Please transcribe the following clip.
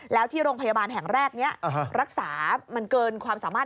แล้วที่โรงพยาบาลแห่งแรกนี้รักษามันเกินความสามารถ